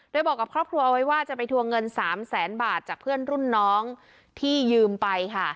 โดยบอกกับครอบครัวเอาไว้ว่าจะไปทวงเงิน๓แสนบาทจากเพื่อนรุ่นน้องที่ยืมไปค่ะ